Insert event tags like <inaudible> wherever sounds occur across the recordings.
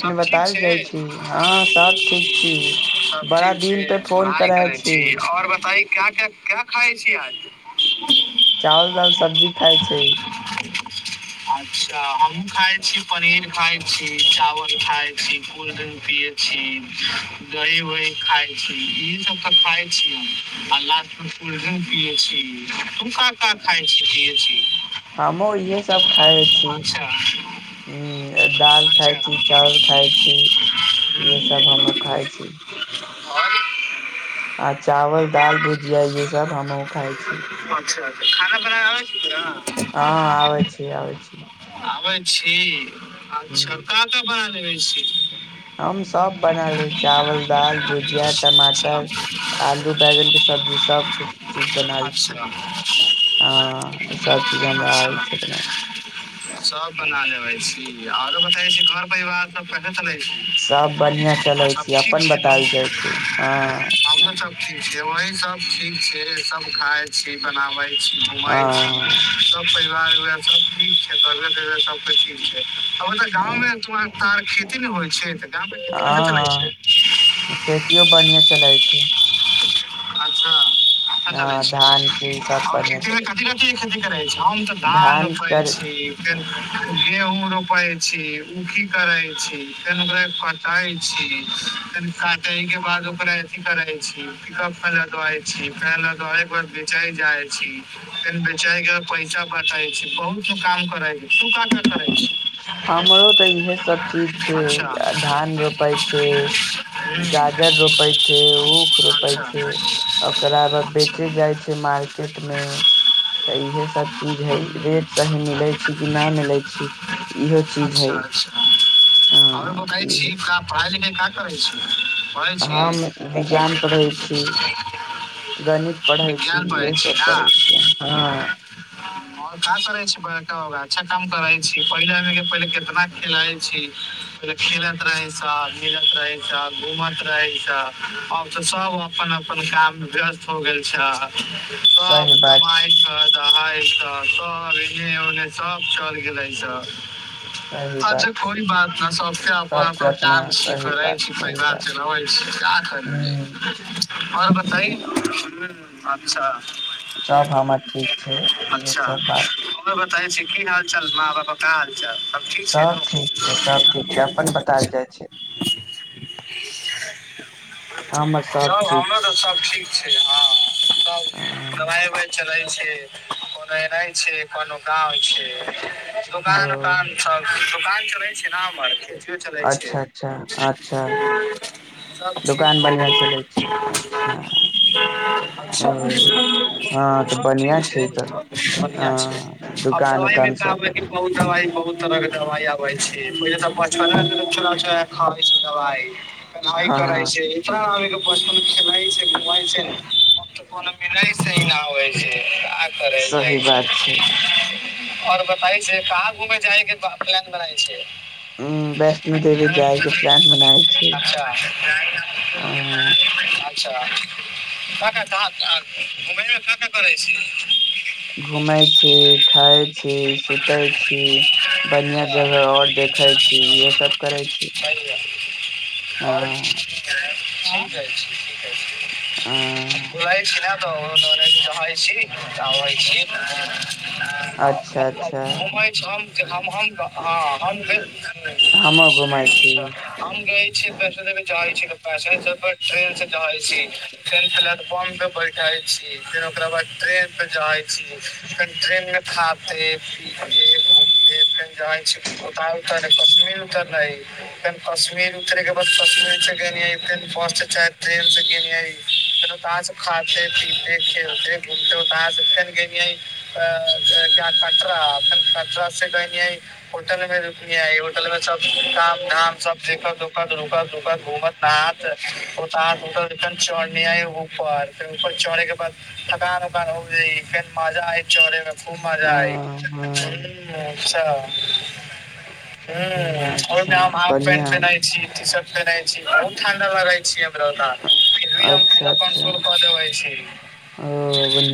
सब ठीक छै सब ठीक छै पढ़ाइ करै छी आओर बताइ? क्या क क्या खाइ छी आय? चावल दाल सब्जी खाय छै। अच्छा हम खाइ छी। पनीर खााय छी चावल खााय छी कुलडिन पियए छी दही वही खााय छी इ सब तऽ खााय छी हम। <unintelligible> हय। पी ए सी तू का का खाय छी, पियै छी, अच्छा। हु अ दाल खाय छी, चावल खाय छी, इहे सब हमहु खाय छी। हां। आ चावल, दाल, भुजिया इहे सब हमहुँ खाय छी। खाना बनाल होय या, आबै छी। अच्छा कल त बात बना लेबेै छी। हम सब बना लै छी चावल, दाल, भुजिया, टमाटर, आलू, बैगन के सब्जी सब के चीज बनाल छी, हां सब चीज हमरा आबै छो बनाए लै। जी आरो बताई जे घर परिवार सब कैसे चलै सब ठीक छियै न, हमे सब ठीक छीयै, वही सब ठीक छै, सब खाय छी बनावे छी, घूमय छी, सब परि लाल भैया सब ठीक छै, <unintelligible> छै। हमर तऽ गाँव मे <unintelligible> तार खेती नै होइ छै तऽ गाँव मे खेती कैसे चलै छै। छै। अच्छा अच्छा चलै छै और खेती में कथि कथि के खेती करै छै, हम तऽ धान रोपै छी, गेहूँ के, गेहूँ रोपे छी उ करे छी फेन ओकरा कटाय छी फेन काटय के बाद ओकरा अथी करै छी, पिकप पर लदवाई छी फेर लदवेला के बाद बेचय जाय छी, फिर बेचय के बाद पैसा बटाई छी, बहुत नु काम करै ही, तु का अ हमरो तऽ इहे सब चीज छै, अ धान रोपै छै, गाजर रोपै छै। ऊख रोपे छै ओकरा बाद बेचे जाय छै मार्केट मे तऽ इहे सब चीज हे, रेट सही मिले छै कि न मिलै अच्छा अच्छा औरो <unintelligible> छी का पढ़ाय लिखे का करै छी। पढे छी। विज्ञान पढ़ै छीयै और का करै छी, <unintelligible> अच्छा काम करै छी, पहिले जना की पहिले कितना खेलै छी, पहले खेलत रहै सब, मिलत रहै सब, घूमत रहै सब। आब तऽ सब अपन अपन काम मे व्यस्त हो गेल छा। सही बात छै। आय ई सब शहर इने उने सब चल गेले छ। अच्छा कोई बात न! सबके अपन अपन काम छीयै, करय छै, परिवार चलबै छै का आओर बताइ हुं अच्छा। सब हमर ठीक छै, इहे सब बात। की हाल चाल माँ ओकर। सब ठीक छै, सब ठीक छै, अपन बतायल जाइ छै। <inaudible> यौ हमरो लेल सब ठीक। छी, हँ। तब, दबाइ उबाइ चलै! से कोनो एनाय छै, कोनो! गाँव छै दोकान उकान सब छै, दोकान। सुनै छियै, चुनाव भ रहल छै। यौ चलै छियै। <unintelligible> सब ठीक छै, सब ठीक छै, बढ़ियां छै। आब दबाइमे, एकटा अबय छै, बहुत दबाइ, बहुत तरहक दबाइ, अबय छै। बचि बचिके खाय छै। फेनाइ! परय छै, पानि। पसिन छलै। किछु मिलै छै। मोन मिलै छै आब। अबय छै। काज करै ले जाइ छै। और बताय छै, कहाँ घुमय जाइके प प्लान बनाय छै! <unintelligible> हुं अच्छा। <unintelligible> अच्छा। कका संग आ घुमै के करै छी। घुमइ छी, खाइ छी, सुतइ छी, बढ़िया जगह और देखै छी, इएह सब करइ छी आ कियैक हम जाइ छी। धुलाई छ ने हौ। कने नहाइ छी, अबय छी ने। घ हम रहै छी पैस दे। <unintelligible> जाइ छी आइ, ट्रेन से, ट्रेन से जाइ छी, ट्रेन से हम सब बैसल छी फेर ओकरा बाद ट्रेन पर जाइ छी फेर ट्रेन मे खा पी <unintelligible> स्टेशन जाइ छी। तखैन कश्मीर उतरबाक अछि, तखैन कश्मीर मन तरेके बाद पास,,, ट्रेन सेिये कहाँ से खाते पीेेते, घूमेाँते, सेिय कट फ कटरा से गिय होटल मे रुक, होटल मे सब काम धाम सब देखत रुक रक! घूमत न हाथ उत उत फेन चौढ़नी, आई ऊपर फेर ऊपर चौड़े के बाद थकान उकान हो गई, फेर मजा आय चौड़े मे। खूब मजा आइत। ह अच्छा हूं। हम हाफ पेंट पेनाइ छी टी शर्ट पेनाइ छी। बहुत ठंडा लगै छी हम रौ फ भी हम पूरा कंट्रोल कऽ देबै छी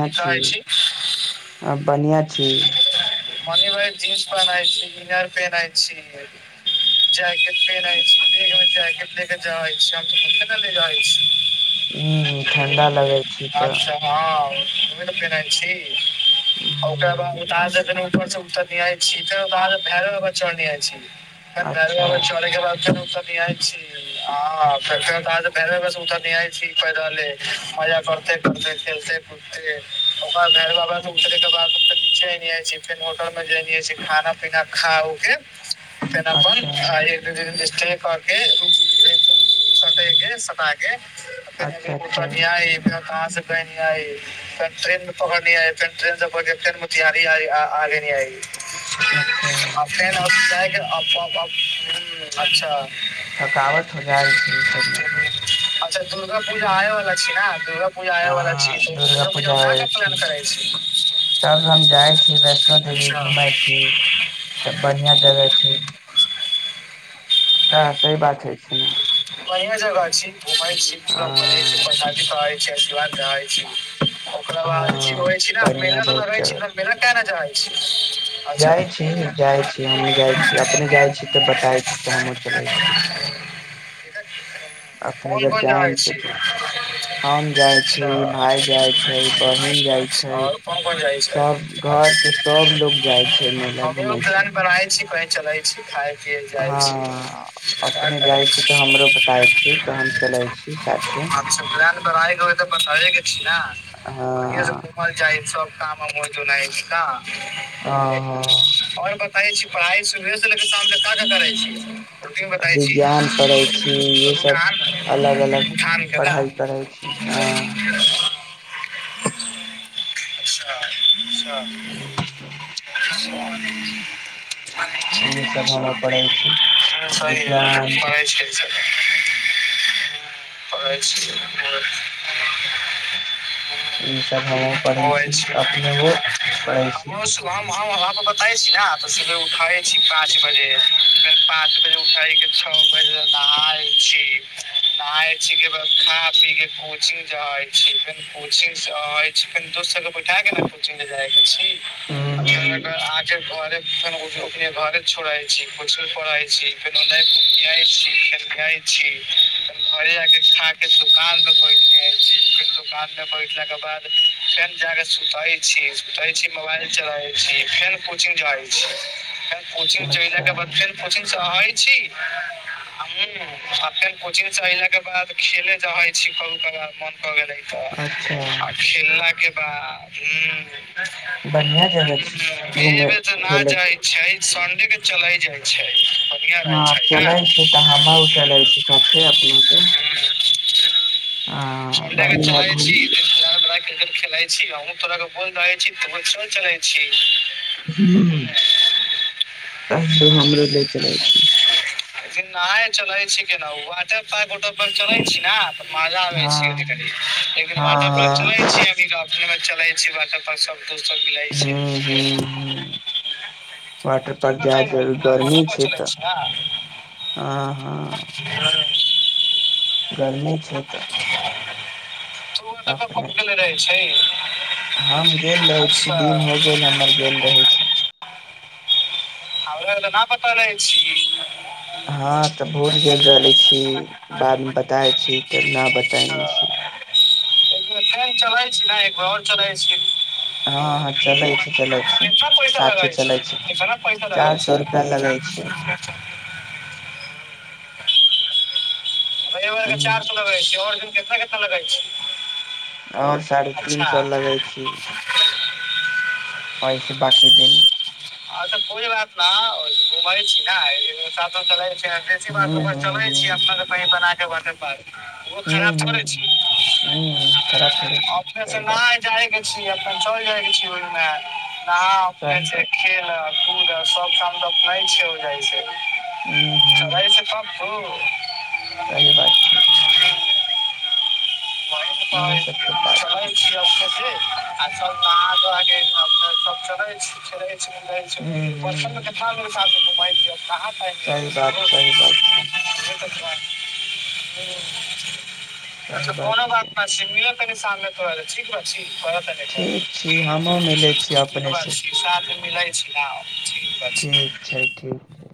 की कहै छी। मनी भ जीन्स पेनइ छी इनार पेनइ छी जैकेट पेनइ छी ज। ल जा हम तऽ ल जा छी। ह ठण्डा लगै छी तऽ। ओ पर छै। आ ओकरा। <unintelligible> र उत्तर नहि छी त त भैर ब ब चड़ छी। ह धरबर चलैकेब। <unintelligible> छी। हँ फऽ आ परे बेस उतर नहि आइ छी पैद ले। मजा करते -करते। खेलते कूदते ओक भर बाबा के उतरे के बाद जाइ फेर होटल मे जे जाइ छै खाना पीना खा उ के। <unintelligible> <unintelligible> सटेके सटाके। <unintelligible> कहाँ से बैनी आइ फेर ट्रेन पकड़नी ह ट्रेन -टेन से पकड़िक फेर मोतिहारी आइ आ- आ। <unintelligible> अप- अप- अप हमम्म अच्छा। थकावट हो जाइ छी ए सब मे। अच्छा दुर्गा पूजा आये वला छै न दुर्गा। आ दुर्गा पूजा आय छी तब हम जाइ छी वैष्णो देवी घूमे छी सब बढ़िया जगह छी कऽ से। बढ़िया जगह अछि, घुमय छी, पूरा बढ़िया से प्रसादी पाय छी। <unintelligible> छी ओकरा बाद ज होै छै ने मेला तऽ लै छी मेला केना चै छै। अच जाइ छी जाइत छी हम जाइत छी अपने जाइत छी तऽ बताइ छी तऽ हमूँ चलैत छी। कोन कोन जचा आओर कोन कोन जाइ छै हमान आए छी। चलाइ छि खाय। के <unintelligible> जाइ छी। अपने जाइ छी तऽ हमरो बताइ छी तऽ हम चलै छी साथे हँ। सब काम <unintelligible> मजू <unintelligible> नहि तऽ ह ह पढ़ाइ सुबहे स लेक शाम तक <unintelligible> का का करै छी <inaudible> उठान <unintelligible> के ने <unintelligible> स स इहे सब हमहुँ पढ़ै छी। पढ़े छी परहइ छी <unintelligible> व <unintelligible> पर बताय छी ने त से उठे छी पाँच बजेे फेन पाँच बजे उठाय के छ बजे नहाय छी नहाय छी के बाद खा पी के कोचिंग जाय छी फेर कोचिंग आवय <unintelligible> छी फेर दोस्त सब के बैठा के न कोचिंग जाय के <unintelligible> छी। अचछ <unintelligible> आके <unintelligible> घरे ओकनी के <unintelligible> घरे छोड़इ छी कोचिंग पड़इ छी। फेर ओन्ने घुमैत छी फेर जाइत छी फेर घरे जााकऽ खाके <unintelligible> दोकानमे बैसैत छी फेर दोकानमे बैठलाके बाद फेन जाकऽ सुतैत छी सुतैत छी मोबाइल चलबैत छी फेर कोचिंग जाइत छी <unintelligible> कोचिंग जे इलाक <unintelligible> ब फ कोचिंग स चा <unintelligible> <inaudible> जी हमस <inaudible> कोचिंग स अइला के बाद खेले जावै छी कभी कभार मोन <unintelligible> भ गेलै तऽ आ खेलला के <inaudible> ब ह ह एहि बेर जेऽ ना जाइ‌ छै संडे के चलै <inaudible> ठीक छै। हँ चलै छी तऽ हमहु चलै छी साथे अपनेके। संडे कऽ चलै छी <unintelligible> क्रिकेट खेलाइ छी। हमहुँ तोरा के बन्द रहे छी त <unintelligible> चलै छी। ह अहियो हमरो ले। <inaudible> <unintelligible> नाय चलै छि केना वाटर पार्क पारक <unintelligible> चलै छी न। मजा आबे छी वाटर पाक <unintelligible> चले छी। <unintelligible> <unintelligible> मिलै छी, कि बतैयो हमरा <unintelligible> तोऊं चलै छी ने <unintelligible> गर्मी छै ते। तू ओता कब पहुंच गेले रहे छी, अच्छा आवेवला न प पड़े छी। हां तऽ भूल गेल रहलै छी, बादमे बताइ छी ते ने बताएने छी। कहियो ने चलेय छी ने घर चलेय छी। हां हां चलै छी चलै छी साथे चलै छीत, चार सौ रुपया <unintelligible> चार सौ लैबै केतना केतना लगे छै। और साड़े तीन सौ लगै छी। अय से बाकी दिन अच्छा कोई बात न ओ घूमे छी ने एक दिन मे साथो चले या देशी मात्रा पर चले छी अपना से बना <inaudible> ओ खराब थोड़े छी, अपने से ने जाके छीये। चल जाके छी उने। न अपने से खेला, कूदा। सब सा छै, उ जाइ छै। हम्म हम्म। ओ सही बात छै। चले छीये अपने के। आ सब नहा धुवा के छै ने गेल बर्तन मे हमु साथ घूमे छियो। कहां पे <unintelligible> <unintelligible> अच्छा कोनो बात ना छै मिलल तनी सामने पर ठीक बा ठी कर नहि कर क शीशा त मिलै छल। ठीक छै ठीक छै।